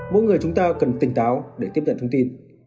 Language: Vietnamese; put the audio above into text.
mỗi người chúng ta cần tỉnh táo để tiếp nhận thông tin